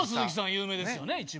有名ですよね一番。